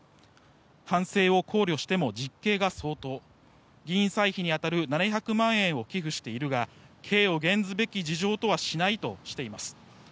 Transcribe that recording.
反省を考慮しても実刑が相当議員歳費に当たる７００万円を寄付しているが刑を減ずべき事情とはしないとしています。